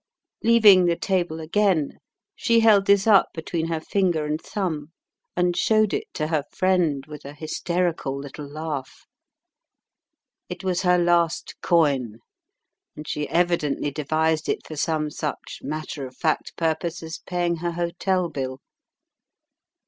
Leaving the table again, she held this up between her finger and thumb, and showed it to her friend with a hysterical little laugh. It was her last coin, and she evidently devised it for some such matter of fact purpose as paying her hotel bill.